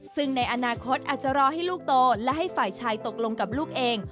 ซึ่งในอนาคตอาจจะรอให้ลูกโตและให้ฝ่ายชายตกลงกับลูกเอง